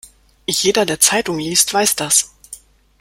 Jeder, der Zeitung liest, weiß das.